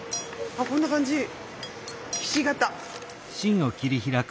あっこんな感じ。